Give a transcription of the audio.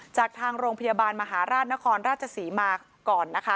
จากทางโรงพยาบาลมหาราชนครราชศรีมาก่อนนะคะ